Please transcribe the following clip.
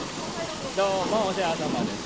どうもお世話さまです。